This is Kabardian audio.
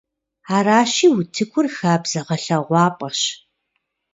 Аращи, утыкур хабзэ гъэлъэгъуапӀэщ.